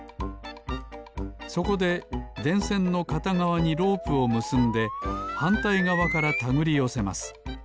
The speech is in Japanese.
そこででんせんのかたがわにロープをむすんではんたいがわからたぐりよせます。